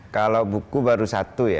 kalau buku baru satu ya